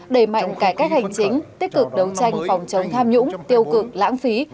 đẩy mạnh cải cách hành chính tích cực đấu tranh phòng chống tham nhũng tiêu cực lãng phí